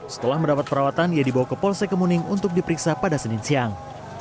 setelah mendapat perawatan ia dibawa ke polsek kemuning untuk diperiksa pada senin siang